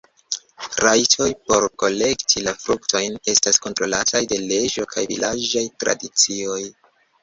Rajtoj por kolekti la fruktojn estas kontrolataj de leĝo kaj vilaĝaj tradicioj.